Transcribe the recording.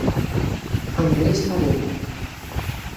Andrés Pavón.